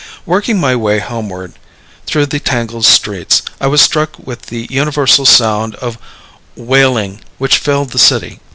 Working my way homeward through the tangled streets, I was struck with the universal sound of wailing which filled the city.